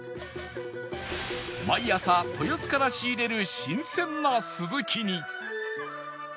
毎朝豊洲から仕入れる新鮮なスズキに